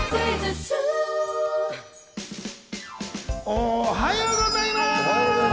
おはようございます。